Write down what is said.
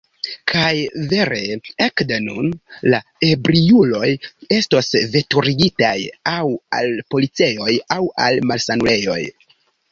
Kaj vere: ekde nun la ebriuloj estos veturigitaj aŭ al policejoj aŭ al malsanulejoj.